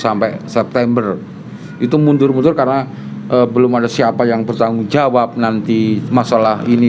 sampai september itu mundur mundur karena belum ada siapa yang bertanggung jawab nanti masalah ini